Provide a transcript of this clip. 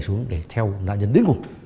để xuống để theo nạn nhân đến cùng